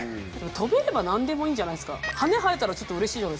飛べれば何でもいいんじゃないすか。